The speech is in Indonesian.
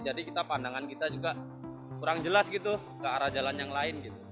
jadi pandangan kita juga kurang jelas ke arah jalan yang lain